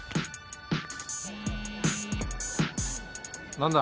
何だ？